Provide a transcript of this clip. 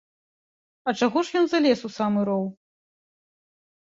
А чаго ж ён залез у самы роў?